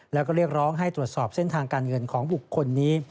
แล้วก็เรียกร้องให้ตรวจสอบเส้นทางการเงินของบุคคลนี้